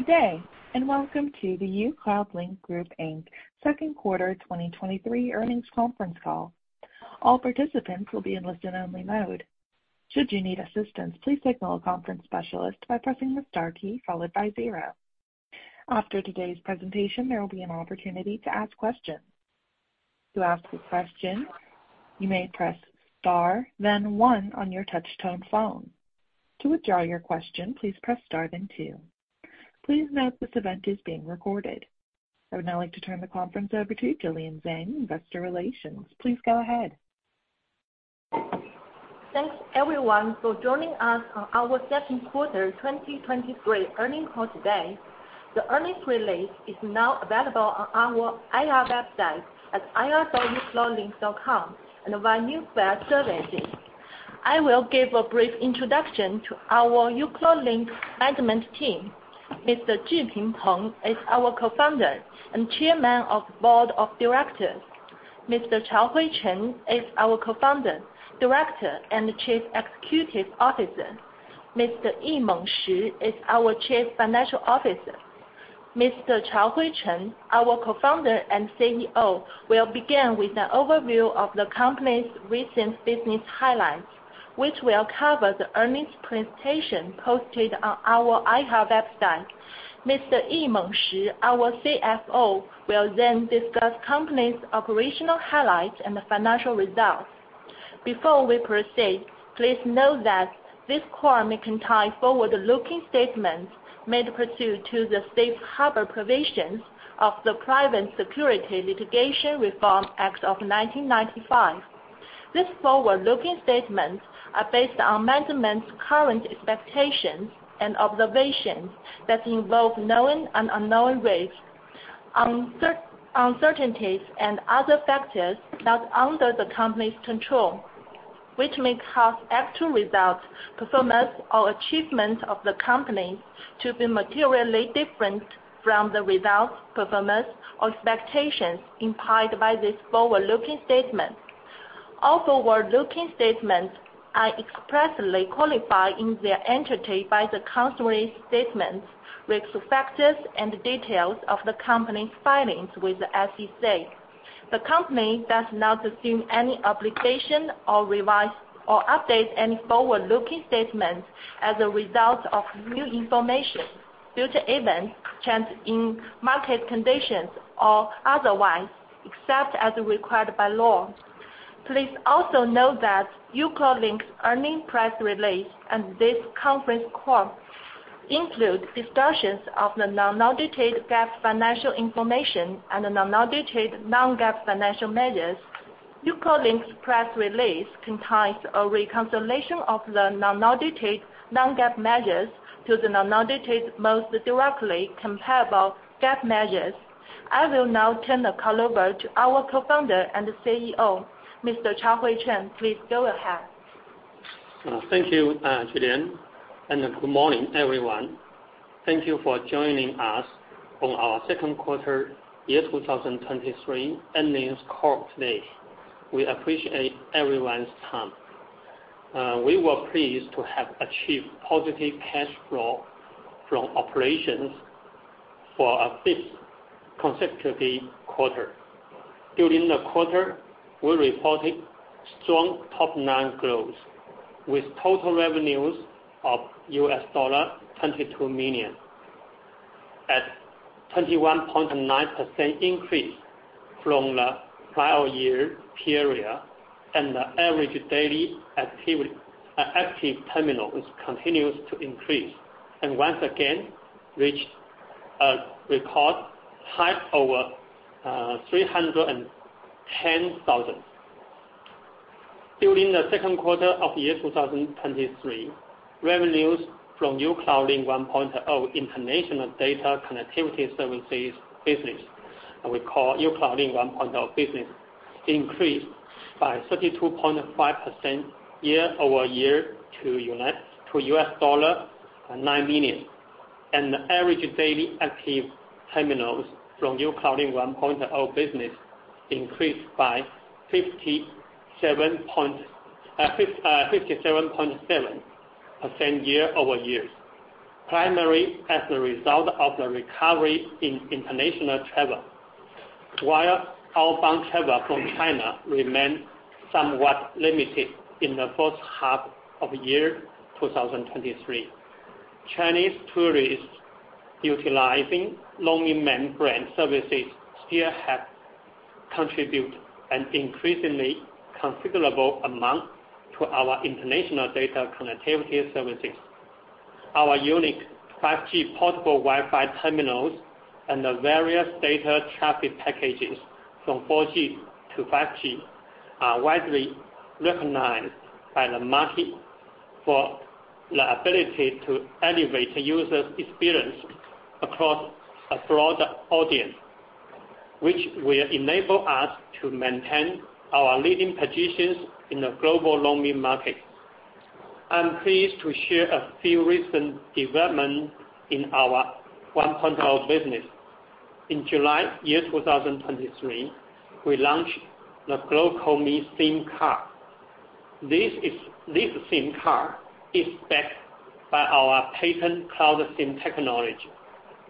Good day, welcome to the uCloudlink Group Inc. second quarter 2023 earnings conference call. All participants will be in listen-only mode. Should you need assistance, please signal a conference specialist by pressing the Star key followed by zero. After today's presentation, there will be an opportunity to ask questions. To ask a question, you may press Star then 1 on your touch-tone phone. To withdraw your question, please press Star then two. Please note this event is being recorded. I would now like to turn the conference over to Jillian Zhang, Investor Relations. Please go ahead. Thanks, everyone, for joining us on our second quarter 2023 earning call today. The earnings release is now available on our IR website at ir.ucloudlink.com and via Newswire services. I will give a brief introduction to our uCloudlink management team. Mr. Zhiping Peng is our Co-founder and Chairman of Board of Directors. Mr. Chaohui Chen is our Co-founder, Director, and Chief Executive Officer. Mr. Yimeng Shi is our Chief Financial Officer. Mr. Chaohui Chen, our Co-founder and CEO, will begin with an overview of the company's recent business highlights, which will cover the earnings presentation posted on our IR website. Mr. Yimeng Shi, our CFO, will discuss company's operational highlights and financial results. Before we proceed, please note that this call may contain forward-looking statements made pursuant to the Safe Harbor provisions of the Private Securities Litigation Reform Act of 1995. These forward-looking statements are based on management's current expectations and observations that involve known and unknown risks, uncertainties, and other factors not under the company's control, which may cause actual results, performance, or achievements of the company to be materially different from the results, performance, or expectations implied by these forward-looking statements. All forward-looking statements are expressly qualified in their entirety by the cautionary statements, which factors and details of the company's filings with the SEC. The company does not assume any obligation or revise or update any forward-looking statements as a result of new information, future events, changes in market conditions, or otherwise, except as required by law. Please also note that uCloudlink's earning press release and this conference call include discussions of the unaudited GAAP financial information and an unaudited non-GAAP financial measures. uCloudlink's press release contains a reconciliation of the unaudited non-GAAP measures to the unaudited most directly comparable GAAP measures. I will now turn the call over to our Co-founder and CEO, Mr. Chaohui Chen. Please go ahead. Thank you, Jillian, good morning, everyone. Thank you for joining us on our second quarter 2023 earnings call today. We appreciate everyone's time. We were pleased to have achieved positive cash flow from operations for a fifth consecutive quarter. During the quarter, we reported strong top-line growth, with total revenues of $22 million, at a 21.9% increase from the prior year period, and the average daily active terminals continues to increase and once again reached a record high over 310,000. During the second quarter of 2023, revenues from uCloudlink 1.0 international data connectivity services business, and we call uCloudlink 1.0 business, increased by 32.5% year-over-year to $9 million. The average daily active terminals from uCloudlink 1.0 business increased by 57.7% year-over-year, primarily as a result of the recovery in international travel. While outbound travel from China remains somewhat limited in the first half of 2023, Chinese tourists utilizing GlocalMe brand services still have contribute an increasingly considerable amount to our international data connectivity services. Our unique 5G portable Wi-Fi terminals and the various data traffic packages from 4G to 5G are widely recognized by the market for the ability to elevate user's experience across a broader audience, which will enable us to maintain our leading positions in the global roaming market. I'm pleased to share a few recent developments in our 1.0 business. In July 2023, we launched the GlocalMe SIM card. This SIM card is backed by our patent CloudSIM technology,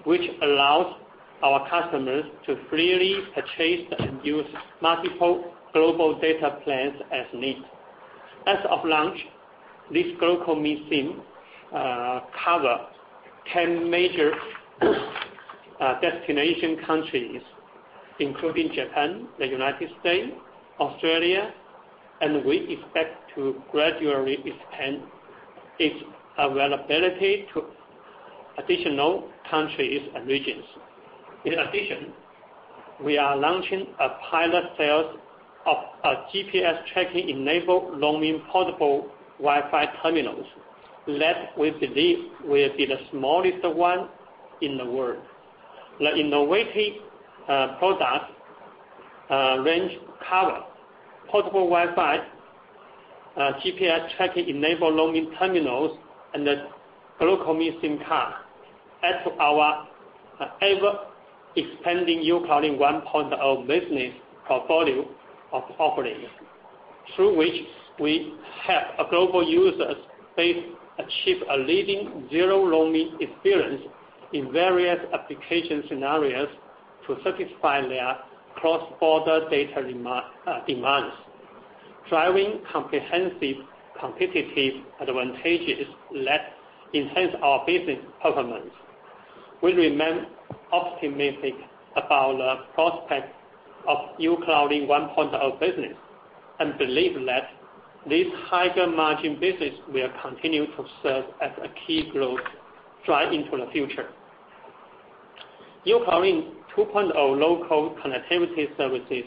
which allows our customers to freely purchase and use multiple global data plans as needed. As of launch, this global eSIM cover ten major destination countries, including Japan, the United States, Australia, and we expect to gradually expand its availability to additional countries and regions. In addition, we are launching a pilot sales of a GPS tracking-enabled roaming portable Wi-Fi terminals that we believe will be the smallest one in the world. The innovative product range cover portable Wi-Fi, GPS tracking-enabled roaming terminals, and the global eSIM card. Add to our ever-expanding uCloudlink 1.0 business portfolio of offerings, through which we help our global users base achieve a leading zero roaming experience in various application scenarios to satisfy their cross-border data demands, driving comprehensive competitive advantages that enhance our business performance. We remain optimistic about the prospect of uCloudlink 1.0 business. We believe that this higher margin business will continue to serve as a key growth drive into the future. uCloudlink 2.0 local connectivity services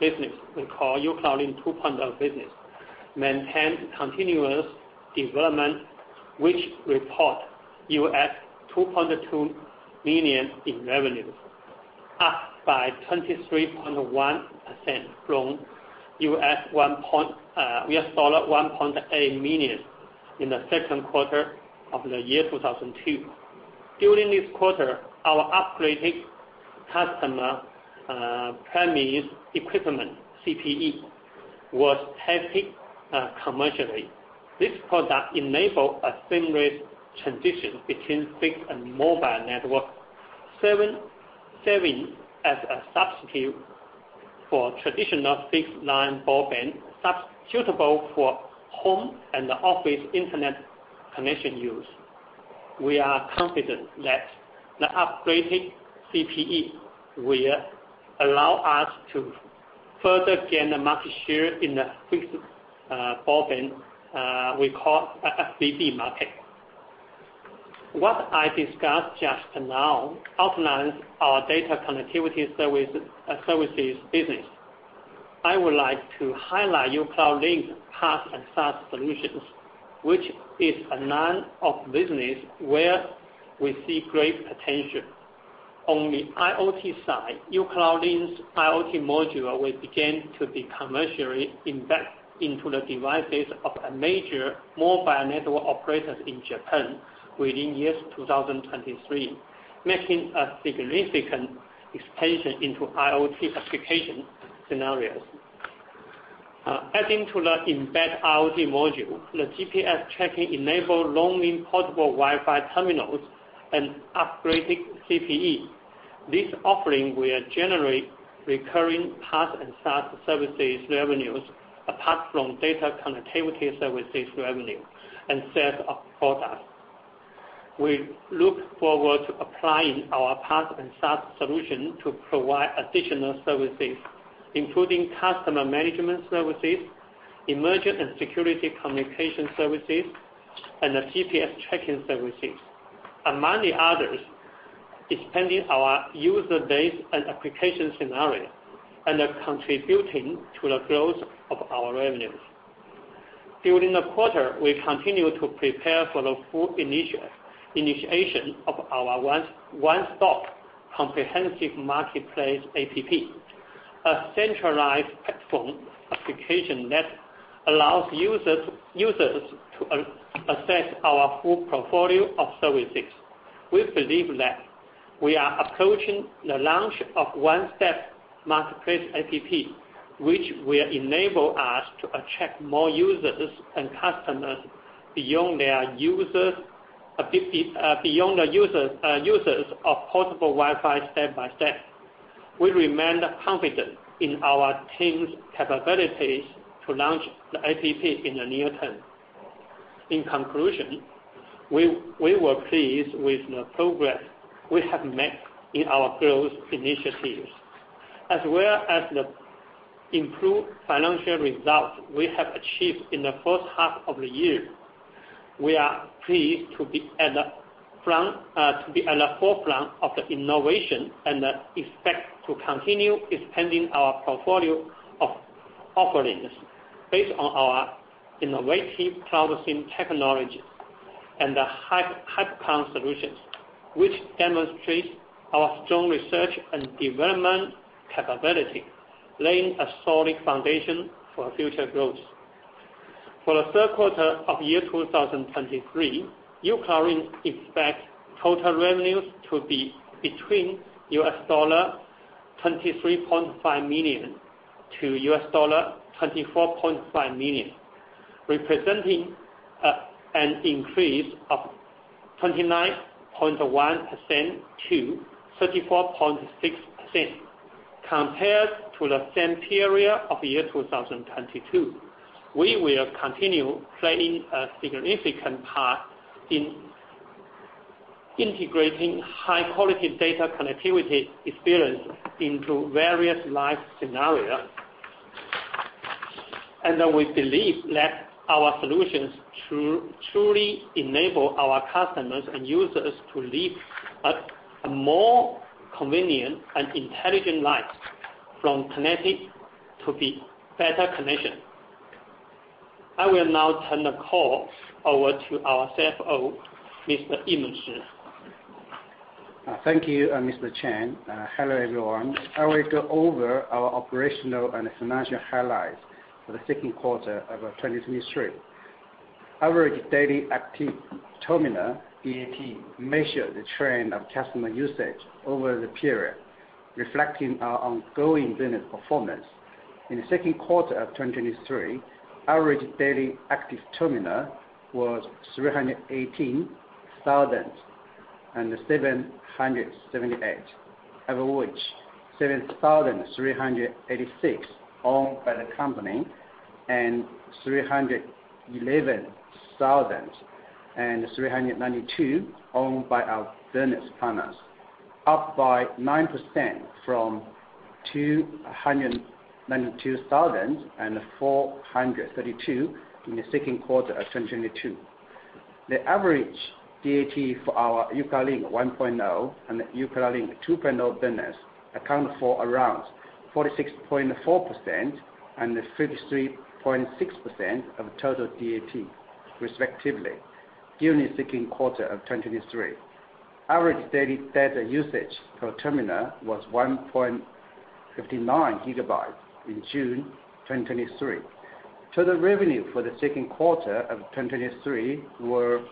business, we call uCloudlink 2.0 business, maintain continuous development, which report $2.2 million in revenues, up by 23.1% from $1.8 million in the second quarter of 2022. During this quarter, our upgraded customer premises equipment This product enables a seamless transition between fixed and mobile network, serving as a substitute for traditional fixed line broadband, suitable for home and office internet connection use. We are confident that the upgraded CPE will allow us to further gain the market share in the fixed broadband, we call FBB market. What I discussed just now outlines our data connectivity services business. I would like to highlight uCloudlink's PaaS and SaaS solutions, which is a line of business where we see great potential. On the IoT side, uCloudlink's IoT module will begin to be commercially embedded into the devices of a major mobile network operators in Japan within year 2023, making a significant expansion into IoT application scenarios. Adding to the embed IoT module, the GPS tracking-enabled roaming portable Wi-Fi terminals and upgraded CPE. This offering will generate recurring PaaS and SaaS services revenues, apart from data connectivity services revenue and sales of products. We look forward to applying our PaaS and SaaS solution to provide additional services, including customer management services, emergency and security communication services, and the GPS tracking services. Among the others, expanding our user base and application scenario, and are contributing to the growth of our revenues. During the quarter, we continued to prepare for the full initiation of our one-stop comprehensive marketplace app, a centralized platform application that allows users, users to access our full portfolio of services. We believe that we are approaching the launch of one-stop marketplace app, which will enable us to attract more users and customers beyond their users, beyond the users, users of portable Wi-Fi step by step. We remain confident in our team's capabilities to launch the app in the near term. In conclusion, we were pleased with the progress we have made in our growth initiatives, as well as the improved financial results we have achieved in the first half of the year. We are pleased to be at the forefront of the innovation, and expect to continue expanding our portfolio of offerings based on our innovative CloudSIM technology and the HyperConn solutions, which demonstrates our strong research and development capability, laying a solid foundation for future growth. For the third quarter of 2023, uCloudlink expects total revenues to be between $... $23.5 million-$24.5 million, representing an increase of 29.1%-34.6% compared to the same period of 2022. We will continue playing a significant part in integrating high-quality data connectivity experience into various life scenarios. We believe that our solutions truly enable our customers and users to live a more convenient and intelligent life, from connected to be better connected. I will now turn the call over to our CFO, Mr. Yimeng Shi. Thank you, Mr. Chen. Hello, everyone. I will go over our operational and financial highlights for the second quarter of 2023. Average daily active terminal, DAT, measure the trend of customer usage over the period, reflecting our ongoing business performance. In the second quarter of 2023, average daily active terminal was 318,778, of which 7,386 owned by the company, and 311,392 owned by our business partners, up by 9% from 292,432 in the second quarter of 2022. The average DAT for our uCloudlink 1.0 and uCloudlink 2.0 business account for around 46.4% and 53.6% of total DAT, respectively, during the second quarter of 2023. Average daily data usage per terminal was 1.59 GB in June 2023. Total revenue for the second quarter of 2023 were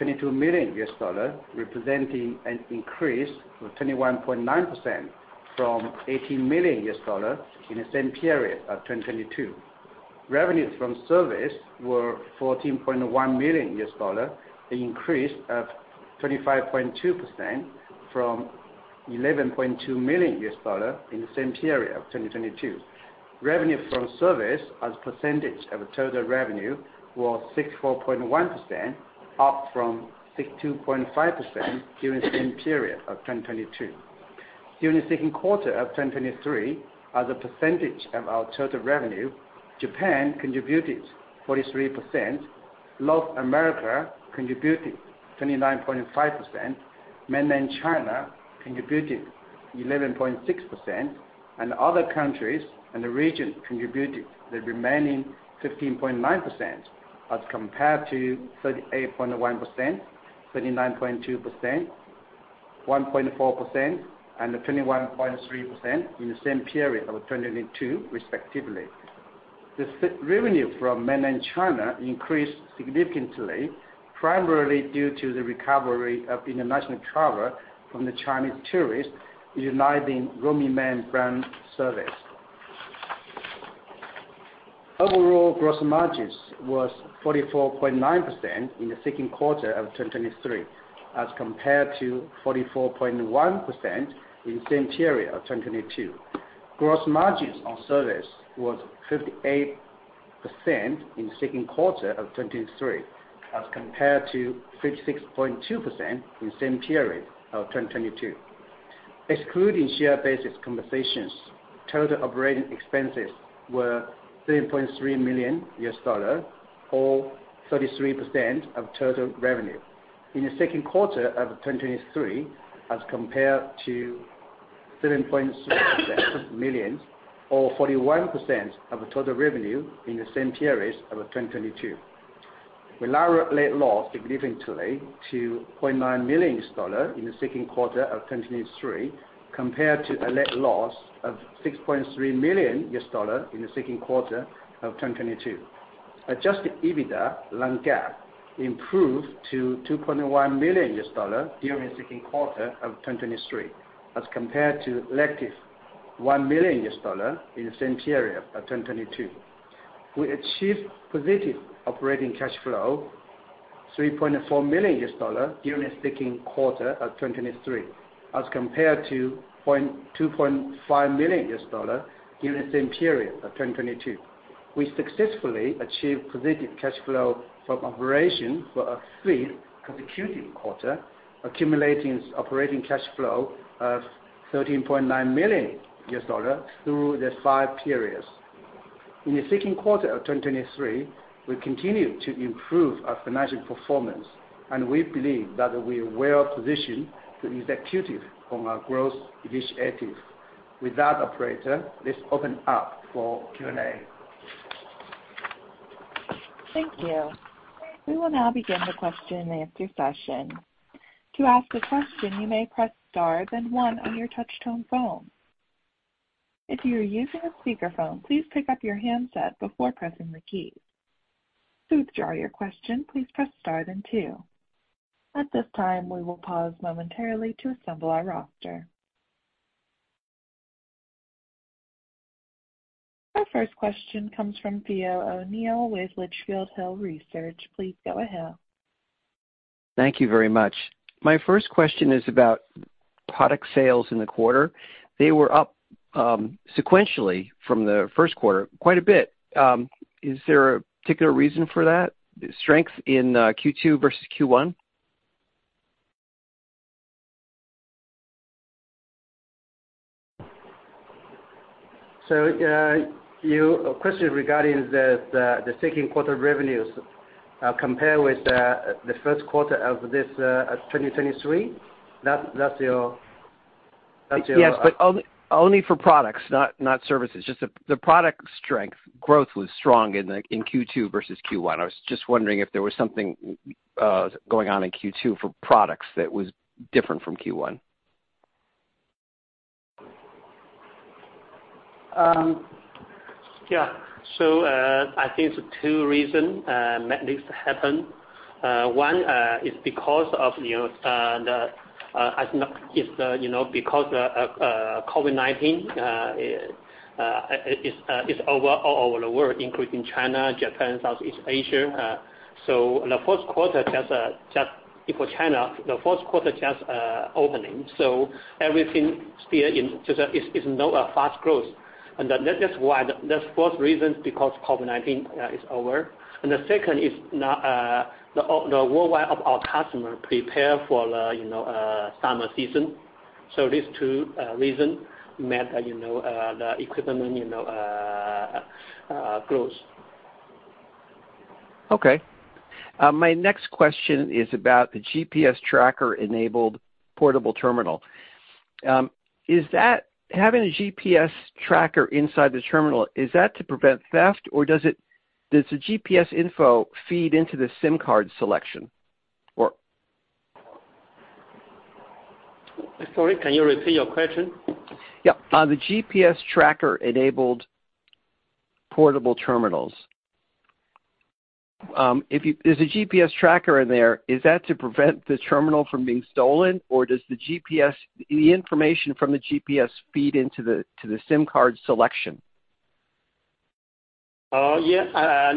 $22 million, representing an increase of 21.9% from $18 million in the same period of 2022. Revenues from service were $14.1 million, an increase of 25.2% from $11.2 million in the same period of 2022. Revenue from service, as a percentage of total revenue, was 64.1%, up from 62.5% during the same period of 2022. During the second quarter of 2023, as a percentage of our total revenue, Japan contributed 43%, North America contributed 29.5%, Mainland China contributed 11.6%, and other countries and the region contributed the remaining 15.9%, as compared to 38.1%, 39.2%, 1.4%, and 21.3% in the same period of 2022, respectively. The revenue from Mainland China increased significantly, primarily due to the recovery of international travel from the Chinese tourists utilizing Roamingman brand service. Overall, gross margins was 44.9% in the second quarter of 2023, as compared to 44.1% in the same period of 2022. Gross margins on service was 58% in the second quarter of 2023, as compared to 56.2% in the same period of 2022. Excluding share-based compensations, total operating expenses were $3.3 million, or 33% of total revenue in the second quarter of 2023, as compared to $7.6 million, or 41% of the total revenue in the same period of 2022. We narrowed net loss significantly to $0.9 million in the second quarter of 2023, compared to a net loss of $6.3 million in the second quarter of 2022. Adjusted EBITDA non-GAAP improved to $2.1 million during the second quarter of 2023, as compared to negative $1 million in the same period of 2022. We achieved positive operating cash flow, $3.4 million, during the second quarter of 2023, as compared to $2.5 million during the same period of 2022. We successfully achieved positive cash flow from operation for a three consecutive quarter, accumulating operating cash flow of $13.9 million through the five periods. In the second quarter of 2023, we continued to improve our financial performance, and we believe that we are well positioned to execute on our growth initiatives. With that, operator, let's open up for Q&A. Thank you. We will now begin the question and answer session. To ask a question, you may press star one on your touchtone phone. If you are using a speakerphone, please pick up your handset before pressing the key. To withdraw your question, please press star two. At this time, we will pause momentarily to assemble our roster. Our first question comes from Theodore O'Neill with Litchfield Hills Research. Please go ahead. Thank you very much. My first question is about product sales in the quarter. They were up, sequentially from the first quarter, quite a bit. Is there a particular reason for that, strength in Q2 versus Q1? You, a question regarding the 2Q revenues, compare with the 1Q of this 2023? That's your- Yes, only for products, not, not services. Just the, the product strength, growth was strong in the, in Q2 versus Q1. I was just wondering if there was something going on in Q2 for products that was different from Q1. Yeah. I think the two reason made this happen. One is because of, you know, the, as not, is the, you know, because COVID-19 is over all over the world, including China, Japan, Southeast Asia. The first quarter just for China, the first quarter just opening. Everything still in, so there is no fast growth. That is why, the first reason because COVID-19 is over. The second is now, the worldwide of our customer prepare for the, you know, summer season. These two reason made, you know, the equipment, you know, growth. Okay. My next question is about the GPS tracker-enabled portable terminal. Is that, having a GPS tracker inside the terminal, is that to prevent theft, or does the GPS info feed into the SIM card selection, or? Sorry, can you repeat your question? Yeah. On the GPS tracker-enabled portable terminals, if you, there's a GPS tracker in there, is that to prevent the terminal from being stolen, or does the GPS, the information from the GPS feed into the, to the SIM card selection? Yes,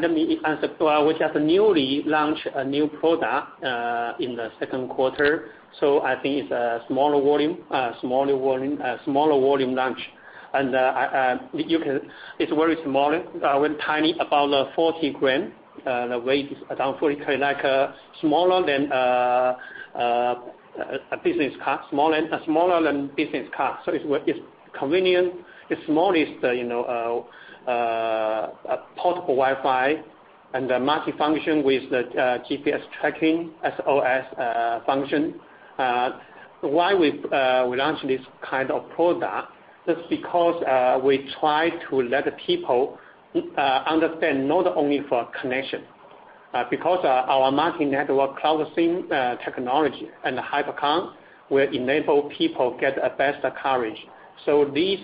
let me answer. Well, we just newly launched a new product in the second quarter, so I think it's a smaller volume, smaller volume, smaller volume launch. It's very small, very tiny, about 40 gram. The weight is around 40, like, smaller than a business card, smaller, smaller than business card. It's convenient. It's smallest, you know, portable Wi-Fi and a multi-function with the GPS tracking, SOS, function. Why we launched this kind of product? That's because we try to let the people understand not only for connection, because our multi-network CloudSIM technology and the HyperConn will enable people get a better coverage. These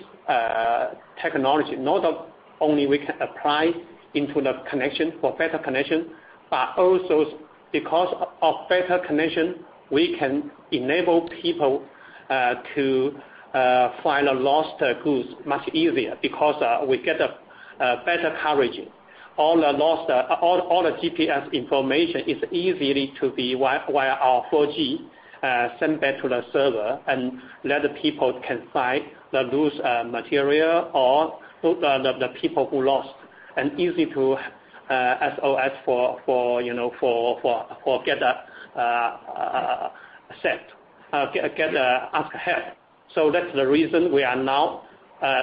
technology, not only we can apply into the connection for better connection, but also because of better connection, we can enable people to find a lost goods much easier because we get a better coverage. All the lost, all the GPS information is easily to be via our 4G sent back to the server and let the people can find the loose material or the people who lost. Easy to SOS for, you know, get a ask help. That's the reason we are now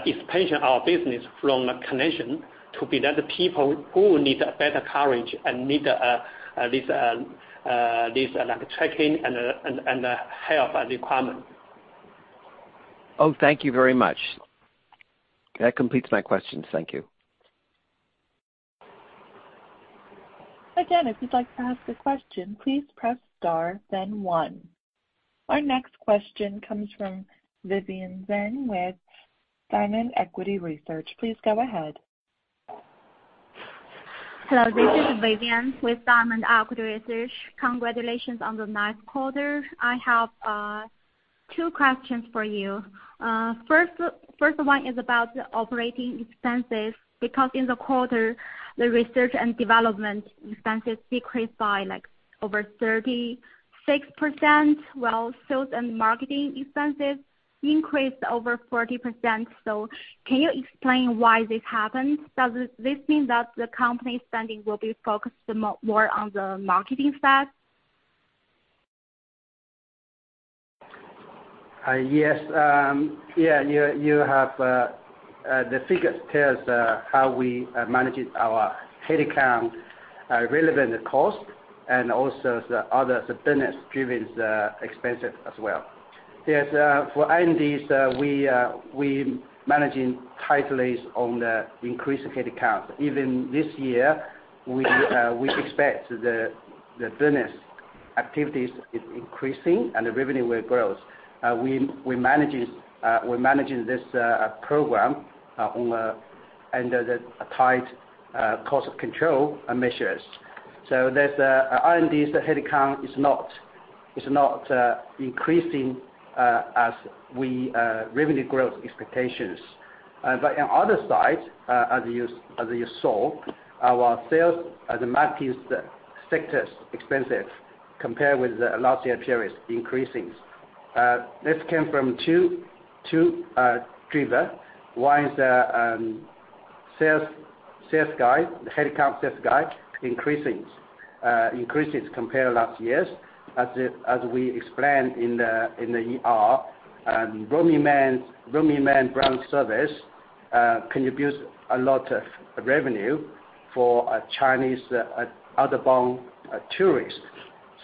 expanding our business from a connection to be that the people who need a better coverage and need this, like, tracking and help requirement. Oh, thank you very much. That completes my questions. Thank you. Again, if you'd like to ask a question, please press star then one. Our next question comes from Vivian Zhang with Diamond Equity Research. Please go ahead. Hello, this is Vivian with Diamond Equity Research. Congratulations on the nice quarter. I have two questions for you. First, first one is about the operating expenses, because in the quarter, the research and development expenses decreased by, like, over 36%, while sales and marketing expenses increased over 40%. Can you explain why this happened? Does this mean that the company's spending will be focused more on the marketing side? Yes. Yeah, you, you have, the figures tells, how we are managing our headcount, relevant cost, and also the other business-driven, expenses as well. Yes, for R&Ds, we, we managing tightly on the increased headcount. Even this year, we, we expect the, the business-... activities is increasing and the revenue will growth. We managing, we're managing this program under the tight cost control measures. There's R&D's headcount is not increasing as we revenue growth expectations. On other side, as you saw, our sales, as the market sectors expenses compared with the last year period increasing. This came from two driver. One is the sales guide, the headcount sales guide increasing increases compared to last year's. As we explained in the IR, and Roamingman brand service contributes a lot of revenue for a Chinese outbound tourists.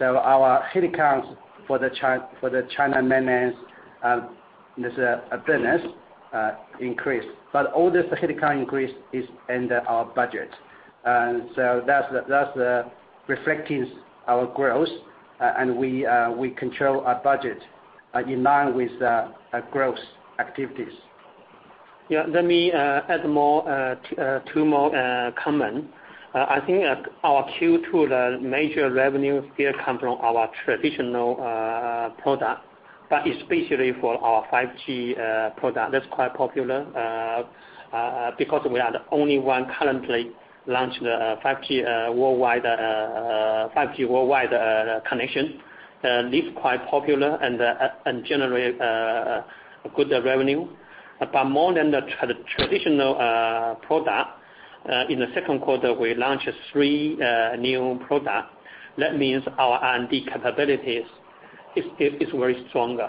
Our headcounts for the China mainland this business increase. All this headcount increase is under our budget. That's, that's reflecting our growth, and we control our budget in line with the growth activities. Yeah, let me add more 2 more comment. I think at our Q2, the major revenue still come from our traditional product, but especially for our 5G product. That's quite popular, because we are the only 1 currently launching the 5G worldwide, 5G worldwide connection. This quite popular and generate a good revenue. More than the traditional product, in the second quarter, we launched 3 new product. That means our R&D capabilities is very stronger.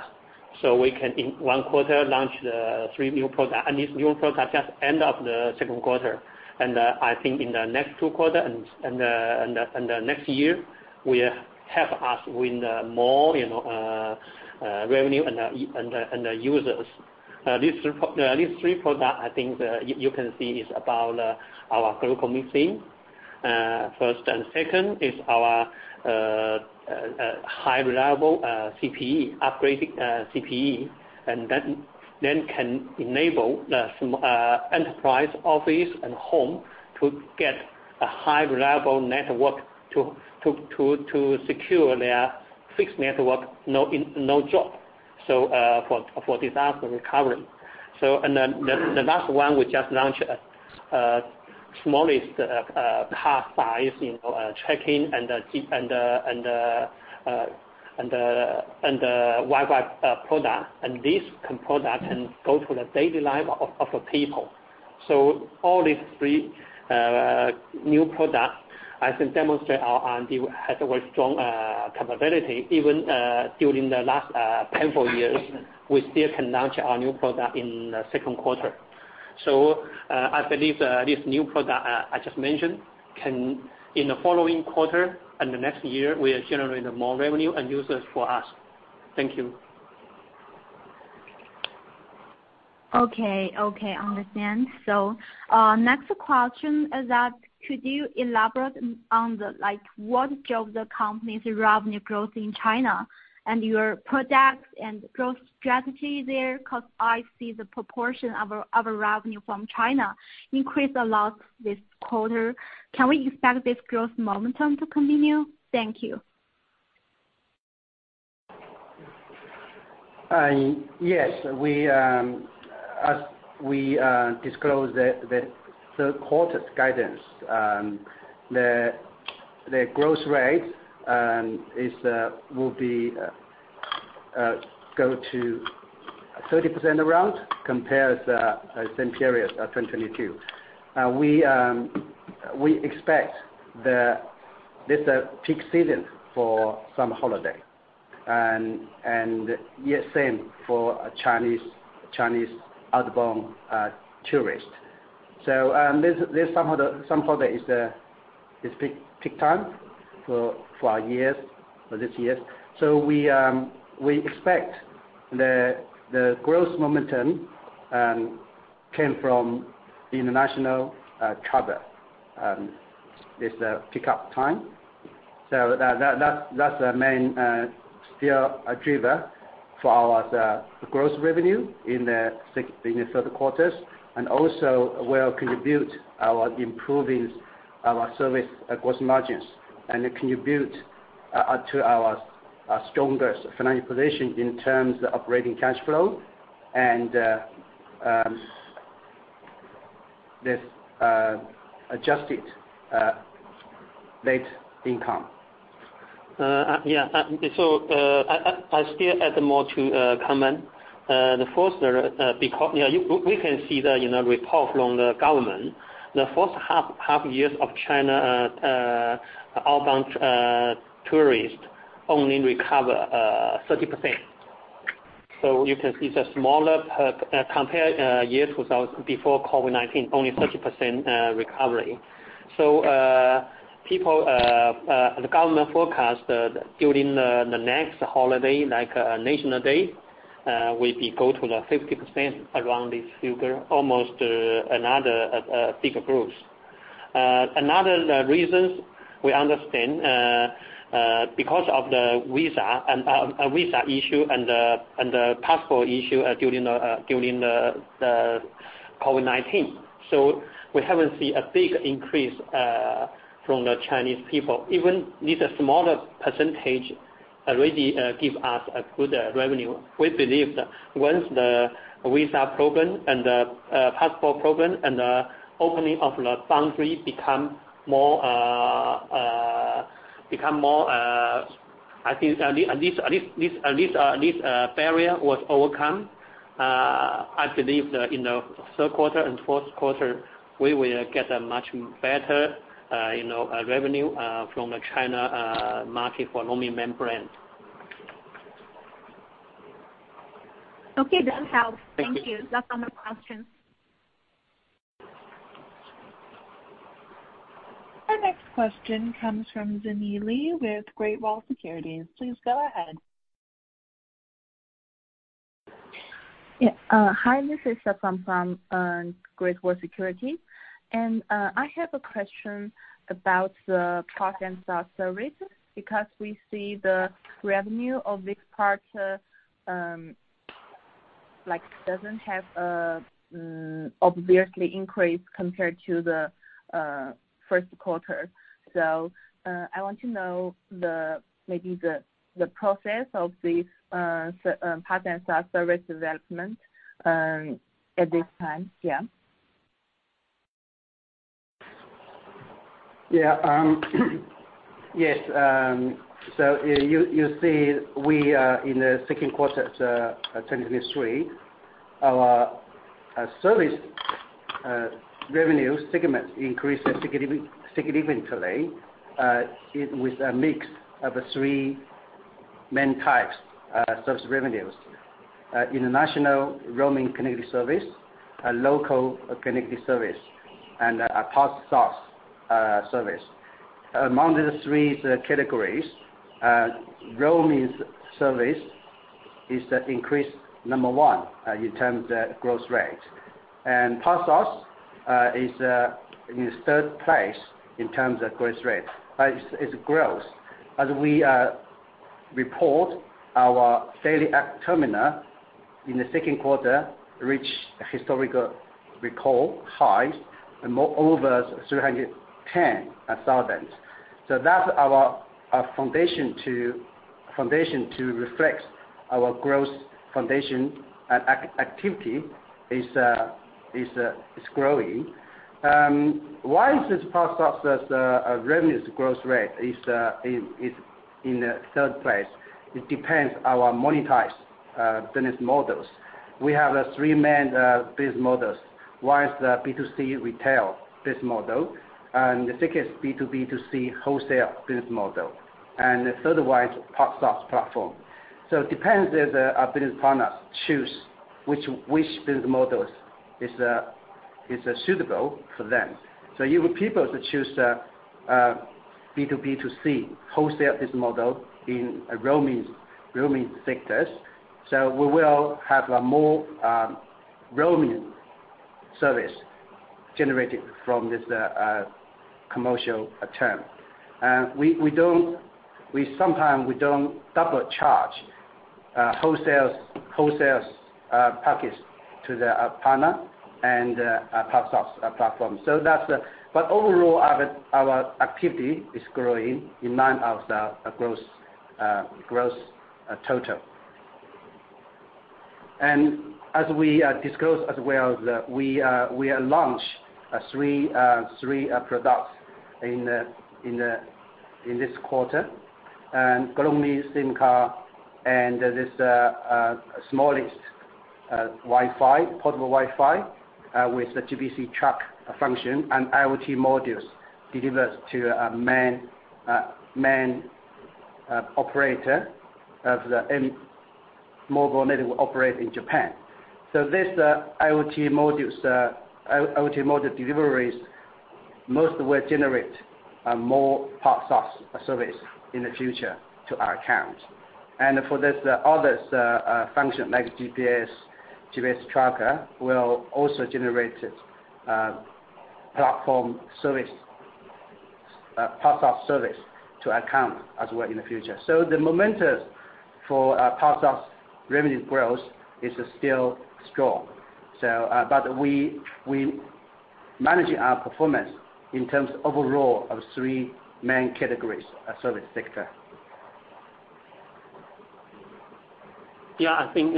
We can in 1 quarter launch the 3 new product, and this new product just end of the second quarter. I think in the next 2 quarter and, and the, and the, next year will help us win the more, you know, revenue and, and the, and the users. These three product, I think, you can see is about our GlocalMe first. Second is our high reliable CPE, upgraded CPE, that then can enable the enterprise, office, and home to get a high reliable network to secure their fixed network, no in, no drop, for disaster recovery. Then, the last one, we just launched smallest car size, you know, tracking and Wi-Fi product. This product can go to the daily life of people. All these three new products, I think, demonstrate our R&D has a very strong capability. Even during the last painful years, we still can launch our new product in the second quarter. I believe this new product I just mentioned, can, in the following quarter and the next year, will generate more revenue and users for us. Thank you. Okay, okay, understand. Next question is that could you elaborate on the like, what drove the company's revenue growth in China, and your products and growth strategy there? Because I see the proportion of revenue from China increased a lot this quarter. Can we expect this growth momentum to continue? Thank you. Yes, we, as we disclose the third quarter's guidance, the growth rate will be go to 30% around compares the same period of 2022. We expect this a peak season for summer holiday and, and yet same for Chinese, Chinese outbound tourists. This, this summer, the summer holiday is the, is peak, peak time for, for our years, for this years. We expect the growth momentum came from the international travel. It's a pick-up time, so that, that, that's, that's the main still a driver for our growth revenue in the third quarters, and also will contribute our improving our service gross margins, and contribute to our strongest financial position in terms of operating cash flow and this adjusted late income. Yeah, so, I, I, I still add more to comment. The first, because, yeah, we can see the, you know, report from the government. The first half years of China outbound tourists only recover 30%. So you can see the smaller per compare years without, before COVID-19, only 30% recovery. So people, the government forecast, during the next holiday, like National Day, will be go to the 50% around this figure, almost another big growth.... another reasons we understand, because of the visa and a visa issue and the passport issue during the COVID-19. We haven't seen a big increase from the Chinese people. Even this smaller percentage already give us a good revenue. We believe that once the visa problem and the passport problem and the opening of the boundary become more. I think this barrier was overcome, I believe, in the third quarter and fourth quarter, we will get a much better, you know, revenue from the China market for Roamingman. Okay, that helps. Thank you. That's all my questions. Our next question comes from Zhenni Li with Great Wall Securities. Please go ahead. Yeah. Hi, this is Stefan from Great Wall Securities. I have a question about the PaaS and SaaS services, because we see the revenue of this part, like, doesn't have a obviously increased compared to the first quarter. I want to know the, maybe the, the process of this, so, PaaS and SaaS service development, at this time. Yeah. Yeah, yes. You, you see, we in the second quarter 2023, our service revenue segment increased significantly, it with a mix of the three main types service revenues. International roaming connectivity service, a local connectivity service, and a PaaS, SaaS service. Among the three categories, roaming service is the increase number 1 in terms of growth rate. PaaS, SaaS is in 3rd place in terms of growth rate. It's, it's growth. As we report our daily active terminal in the second quarter, reach a historical record high, and more over 310,000. That's our, our foundation to, foundation to reflect our growth foundation and activity is growing. Why is this PaaS, SaaS revenue's growth rate is, is, is in a third place? It depends our monetized business models. We have three main business models. One is the B2C retail business model, and the second is B2B2C wholesale business model, and the third one is PaaS, SaaS platform. It depends if the our business partners choose which, which business models is, is suitable for them. You would people to choose the B2B2C wholesale business model in a roaming, roaming sectors. We will have a more roaming service generated from this commercial term. We sometimes, we don't double charge wholesale, wholesales package to the partner and PaaS, SaaS platform. That's the... Overall, our activity is growing in line of the growth growth total. As we disclose as well, the, we launch 3 products in the in the in this quarter. Globally, SIM card and this smallest Wi-Fi, portable Wi-Fi, with the GPS track function and IoT modules delivers to a main main operator of the mobile network operator in Japan. This IoT modules, IoT module deliveries, most will generate more PaaS, SaaS service in the future to our account. For this others function, like GPS, GPS tracker, will also generate platform service, PaaS, SaaS service to account as well in the future. The momentum for PaaS, SaaS revenue growth is still strong. We managing our performance in terms of overall of three main categories of service sector. Yeah, I think,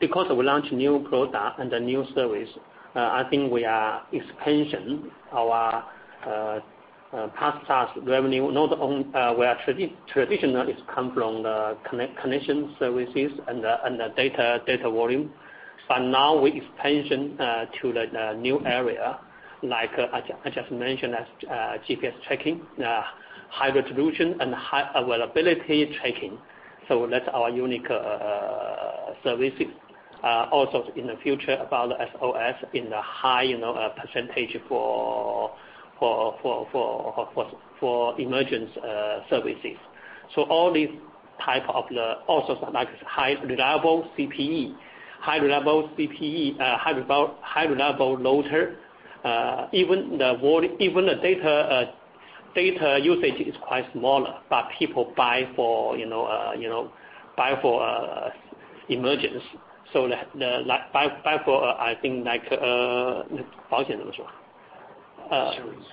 because we launched new product and a new service, I think we are expansion our PaaS, SaaS revenue, not only traditionally come from the connection services and the data, data volume, but now we expansion to the new area, like, I just mentioned, as GPS tracking, high resolution and high availability tracking. That's our unique services. Also in the future about the SOS in the high, you know, % for emergency services. All these type of the. Also, like, high reliable CPE. High reliable CPE, high reliable, high reliable router. Even the data, data usage is quite smaller, but people buy for, you know, you know, buy for emergency. the, like, buy for, I think, like Insurance.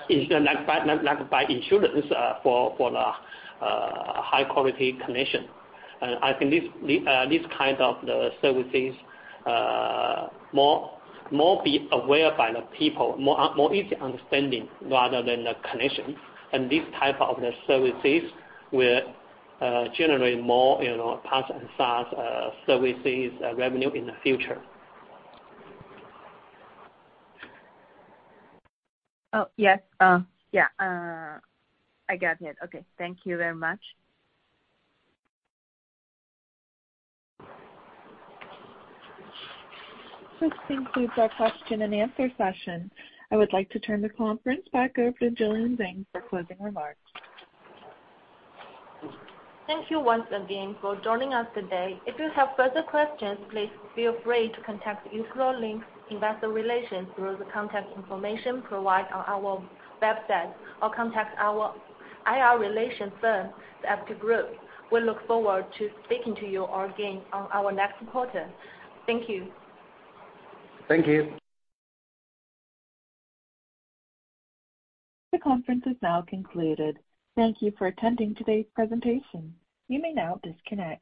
Insurance. Like, buy, like, buy insurance, for the high quality connection. I think this kind of the services, more, more be aware by the people, more, more easy understanding rather than the connection. This type of the services will generate more, you know, PaaS and SaaS services revenue in the future. Oh, yes. Yeah, I got it. Okay, thank you very much. This concludes our question and answer session. I would like to turn the conference back over to Jillian Zhang for closing remarks. Thank you once again for joining us today. If you have further questions, please feel free to contact uCloudlink's Investor Relations through the contact information provided on our website, or contact our IR relations firm, The Piacente Group. We look forward to speaking to you again on our next quarter. Thank you. Thank you. The conference is now concluded. Thank you for attending today's presentation. You may now disconnect.